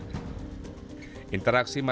interaksi masyarakat dan pusat informasi akan berubah